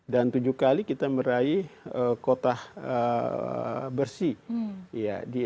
dan tujuh kali kita meraih kota bersih